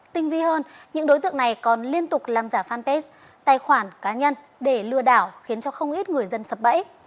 tinh vi hơn những đối tượng này còn liên tục làm giả fanpage tài khoản cá nhân để lừa đảo khiến cho không ít người dân sập bẫy